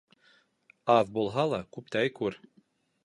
Аҙ булһа ла, күптәй күр.